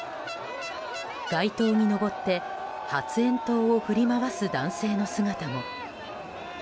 街灯に登って発煙筒を振り回す男性の姿も。